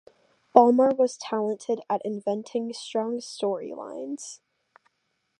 Balmer was talented at inventing strong story lines.